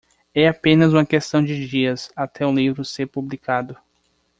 É apenas uma questão de dias até o livro ser publicado.